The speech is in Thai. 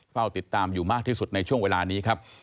เฝ้าติดตามอยู่มากที่สุดในช่วงเวลานี้ครับ